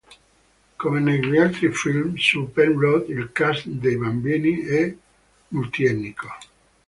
Come negli altri film su "Penrod", il cast dei bambini è multietnico.